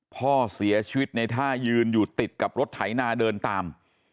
พ่อเสียชีวิตในท่ายืนอยู่ติดกับรถไถนาเดินตาม